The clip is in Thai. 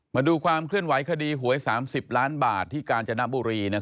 มาดูความเคลื่อนไหวคดีหวย๓๐ล้านบาทที่กาญจนบุรี